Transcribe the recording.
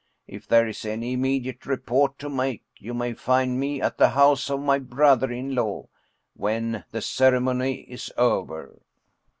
If there is any immediate report to make, you may find me at the house of my brother in law when the ceremony is over."